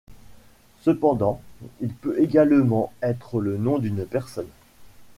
Cependant, il peut également être le nom d'une personne.